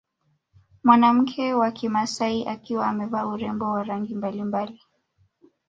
Mwanamke wa kimasai akiwa amevaa urembo wa rangi mbalimbali